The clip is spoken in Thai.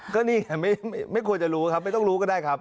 ก็นี่ไงไม่ควรจะรู้ครับไม่ต้องรู้ก็ได้ครับ